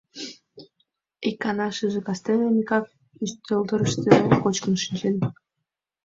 Икана шыже кастене Микак ӱстелтӧрыштӧ кочкын шинчен.